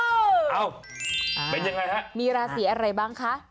อ้าวเป็นอย่างไรคะมีราศีอะไรบ้างคะ